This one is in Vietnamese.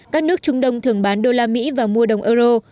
các nước trung đông thường bán đô la mỹ và mua đồng euro